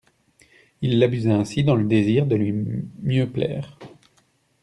Il l'abusait ainsi dans le désir de lui mieux plaire.